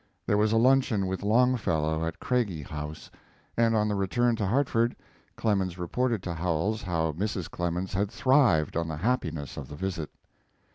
There was a luncheon with Longfellow at Craigie House, and, on the return to Hartford, Clemens reported to Howells how Mrs. Clemens had thrived on the happiness of the visit.